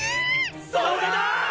それだ！